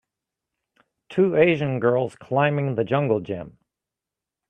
two Asian girls climbing the jungle gym.